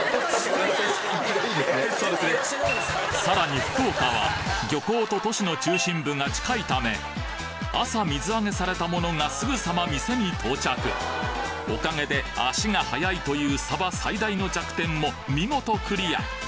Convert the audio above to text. さらに福岡は漁港と都市の中心部が近いため朝水揚げされたものがすぐさま店に到着おかげで足が早いというサバ最大の弱点も見事クリア！